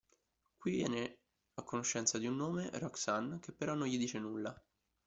Qui viene a conoscenza di un nome, Roxanne, che però, non gli dice nulla.